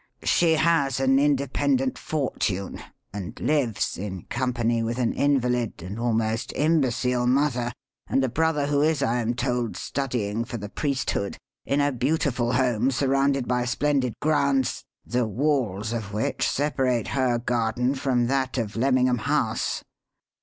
She has an independent fortune, and lives, in company with an invalid and almost imbecile mother, and a brother who is, I am told, studying for the priesthood, in a beautiful home surrounded by splendid grounds, the walls of which separate her garden from that of Lemmingham House."